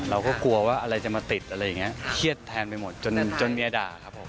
เราก็กลัวว่าอะไรจะมาติดอะไรอย่างนี้เครียดแทนไปหมดจนเมียด่าครับผม